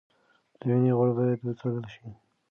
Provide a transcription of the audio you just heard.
د وینې غوړ باید وڅارل شي.